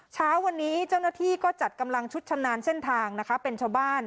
เช้าวันนี้เจ้าหน้าที่ก็จัดกำลังชุดชำนาญเส้นทางนะคะเป็นชาวบ้าน